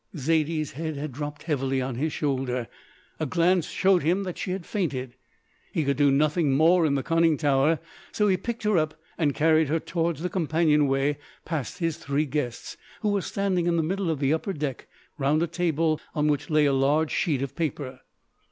Zaidie's head had dropped heavily on his shoulder. A glance showed him that she had fainted. He could do nothing more in the conning tower, so he picked her up and carried her towards the companion way, past his three guests, who were standing in the middle of the upper deck round a table on which lay a large sheet of paper.